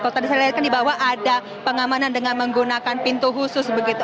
kalau tadi saya lihat kan di bawah ada pengamanan dengan menggunakan pintu khusus begitu